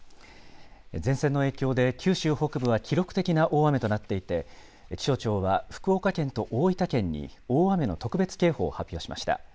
前線の影響で九州北部は記録的な大雨となっていて、気象庁は福岡県と大分県に大雨の特別警報を発表しました。